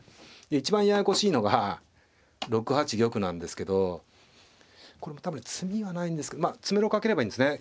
一番ややこしいのが６八玉なんですけどこれも多分詰みはないんですけどまあ詰めろかければいいんですね。